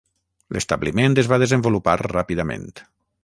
L'establiment es va desenvolupar ràpidament.